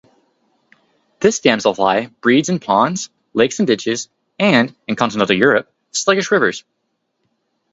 This damselfly breeds in ponds, lakes and ditches and, in continental Europe, sluggish rivers.